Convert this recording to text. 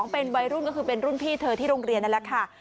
เป็นวัยรุ่นก็คือเป็นรุ่นพี่เธอที่โรงเรียนนั่นแหละค่ะ